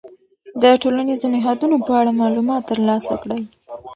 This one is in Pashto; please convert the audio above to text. د ټولنیزو نهادونو په اړه معلومات ترلاسه کړئ.